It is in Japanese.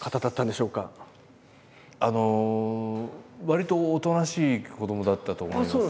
わりとおとなしい子どもだったと思います。